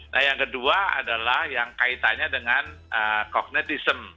nah yang kedua adalah yang kaitannya dengan kognitism